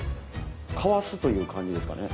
かわすという感じですかね。